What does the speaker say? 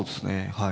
はい。